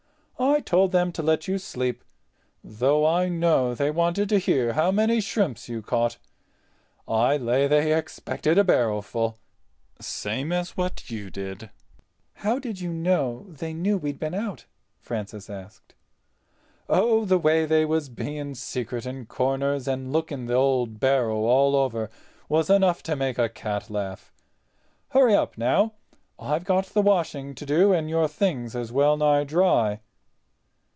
I told them to let you sleep, though I know they wanted to hear how many shrimps you caught. I lay they expected a barrowful, same as what you did." "How did you know they knew we'd been out?" Francis asked. "Oh, the way they was being secret in corners, and looking the old barrow all over was enough to make a cat laugh. Hurry up, now. I've got the washing up to do—and your things is well nigh dry."